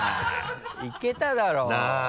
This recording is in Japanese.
いけただろ！なぁ。